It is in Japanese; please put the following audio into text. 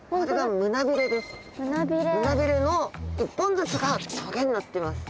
胸びれの１本ずつが棘になってます。